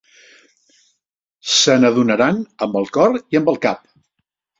Se n'adonaran amb el cor i amb el cap.